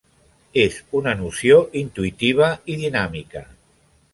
És una noció intuïtiva i dinàmica.